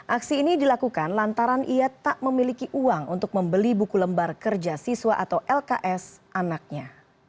aksi ini dilakukan lantaran ia tak memiliki uang untuk membeli buku lembar kerja siswa atau lks anaknya